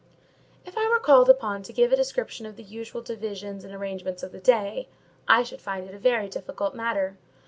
If I were called upon to give a description of the usual divisions and arrangements of the day, I should find it a very difficult matter.